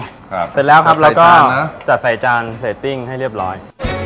ครับเสร็จแล้วครับแล้วก็จัดไฟจานนะจัดไฟจานใส่ติ้งให้เรียบร้อย